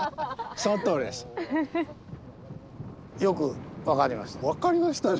よくわかりました。